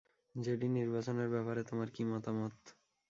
JD, নির্বাচনের ব্যাপার তোমার কী মতামত?